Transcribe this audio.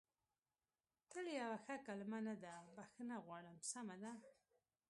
تل یوه ښه کلمه نه ده، بخښنه غواړم، سمه ده.